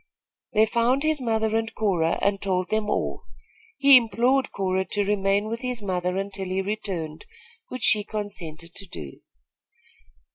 They found his mother and Cora and told them all. He implored Cora to remain with his mother, until he returned, which she consented to do.